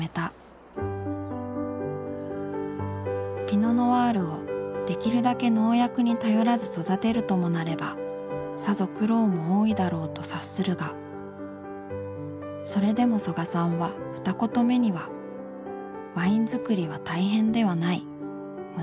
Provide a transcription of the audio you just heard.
ピノ・ノワールをできるだけ農薬に頼らず育てるともなればさぞ苦労も多いだろうと察するがそれでも曽我さんは二言目にはと口にする。